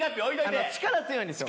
力強いんですよ